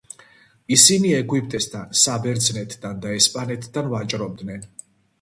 ისინი ეგვიპტესთან, საბერძნეთთან და ესპანეთთან ვაჭრობდნენ.